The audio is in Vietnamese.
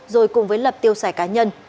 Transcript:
rồi cùng với lập tiêu xài cá nhân